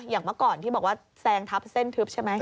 เมื่อก่อนที่บอกว่าแซงทับเส้นทึบใช่ไหม